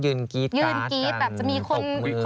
ยืนกรี๊ดการ์ดกันจะมีคน